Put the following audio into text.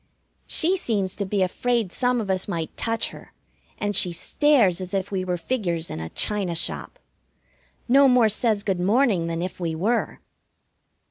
She seems to be afraid some of us might touch her, and she stares as if we were figures in a china shop. No more says good morning than if we were.